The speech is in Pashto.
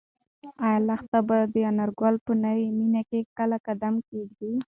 ایا لښتې به د انارګل په نوې مېنه کې کله هم قدم کېږدي؟